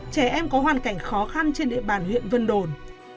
trẻ em có hoàn cảnh khó khăn trên địa bàn huyện vân đồn